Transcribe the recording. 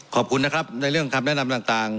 ขอบคุณนะครับในเรื่องคำแนะนำต่าง